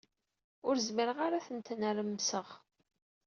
Ur zmireɣ ara ad ten-nermseɣ.